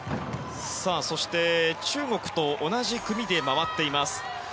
中国と同じ組で回っています